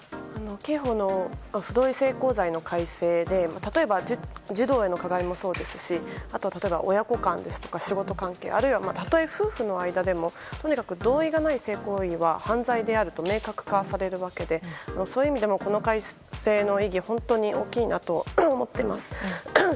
刑法の不同意性交罪の改正で例えば児童への加害もそうですしあとは例えば親子間とか仕事関係あるいは、たとえ夫婦の間でもとにかく同意のない性行為は犯罪であると明確化されるわけでそういう意味でもこの改正の意義は本当に大きいなと思っています。